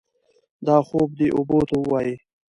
دا خوب دې اوبو ته ووايي.